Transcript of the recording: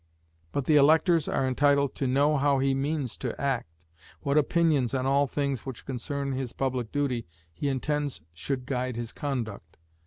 But the electors are entitled to know how he means to act; what opinions, on all things which concern his public duty, he intends should guide his conduct.